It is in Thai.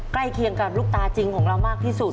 เคียงกับลูกตาจริงของเรามากที่สุด